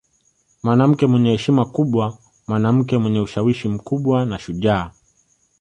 Mwanamke mwenye heshima kubwa mwanamke mwenye ushawishi mkubwa na shujaa